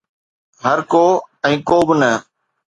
هرڪو ۽ ڪو به نه